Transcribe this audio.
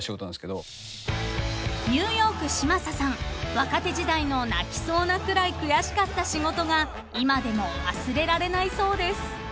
［若手時代の泣きそうなくらい悔しかった仕事が今でも忘れられないそうです］